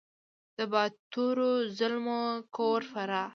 د باتورو زلمو کور فراه !